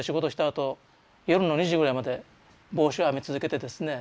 あと夜の２時ぐらいまで帽子を編み続けてですね